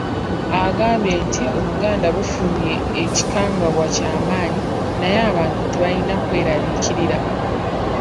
Agambye nti Obuganda bufunye ekikaangabwa ekyamanyi, naye abantu tebalina kweraliikirira.